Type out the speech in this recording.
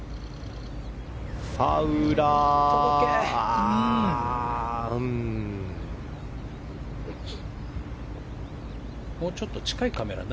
ファウラーは。